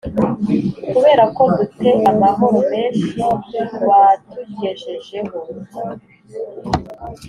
Kubera ko du te amahoro menshil watugejejeho